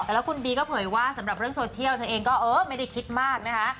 แต่แล้วคุณบีก็เผยว่าสำหรับเรื่องโซเชียลเธอเองก็เออไม่ได้คิดมากนะคะ